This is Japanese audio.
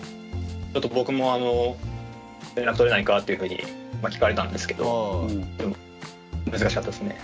ちょっと僕も連絡取れないかっていうふうに聞かれたんですけどでも難しかったですね。